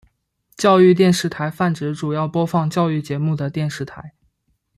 教育电视台泛指主要播放教育节目的电视台。